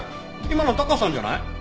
今のタカさんじゃない？